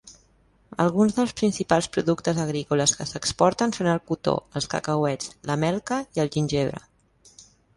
Alguns dels principals productes agrícoles que s'exporten són el cotó, els cacauets, la melca i el gingebre.